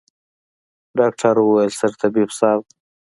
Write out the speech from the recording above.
ډاکتر وويل سرطبيب صايب.